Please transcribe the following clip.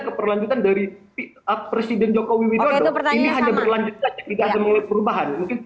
keperlanjutan dari presiden joko widodo pertanyaannya berlanjutan perubahan mungkin